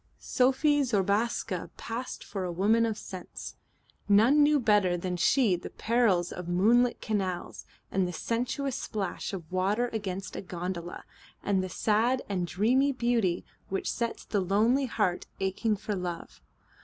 Sophie Zobraska passed for a woman of sense. None knew better than she the perils of moonlit canals and the sensuous splash of water against a gondola, and the sad and dreamy beauty which sets the lonely heart aching for love.